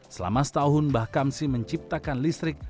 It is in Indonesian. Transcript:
selama setahun mbah kamsi menciptakan listrik